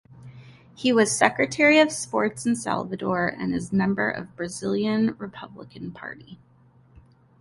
He was Secretary of Sports in Salvador and is member of Brazilian Republican Party.